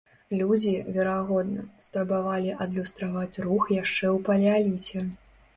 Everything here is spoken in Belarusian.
Людзі, верагодна, спрабавалі адлюстраваць рух яшчэ ў палеаліце.